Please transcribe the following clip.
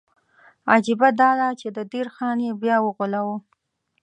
عجیبه دا ده چې د دیر خان یې بیا وغولاوه.